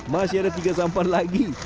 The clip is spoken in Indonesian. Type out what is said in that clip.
masih ada tiga sampan lagi